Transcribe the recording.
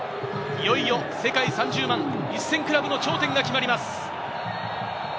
いよいよ世界３０万１０００クラブの頂点が決まります。